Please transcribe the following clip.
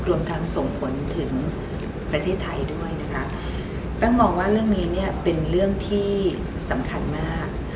รวมทั้งส่งผลถึงประเทศไทยด้วยนะคะแป้งมองว่าเรื่องนี้เนี่ยเป็นเรื่องที่สำคัญมาก